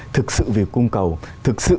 thực sự việc cung cầu thực sự